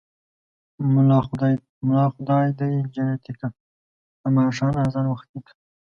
ملا خداى دى جنتې که ـ د ماښام ازان وختې که.